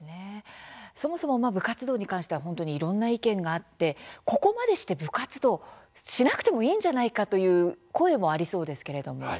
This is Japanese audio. そもそも、部活動に関しては本当にいろんな意見があってここまでして部活動しなくてもいいんじゃないかという声もありそうですけれども。